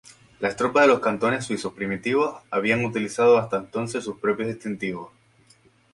Las tropas de los cantones suizos primitivos habían utilizado hasta entonces sus propios distintivos.